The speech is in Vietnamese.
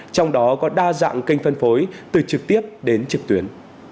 trong đó có đa dạng kênh phân phối từ trực tiếp đến trực tuyến